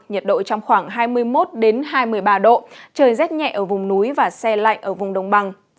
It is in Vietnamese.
nhiệt độ trong khoảng hai mươi một hai mươi ba độ trời rét nhẹ ở vùng núi và xe lạnh ở vùng đồng bằng